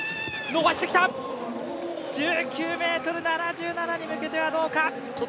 伸ばしてきた、１９ｍ７７に向けてはどうか？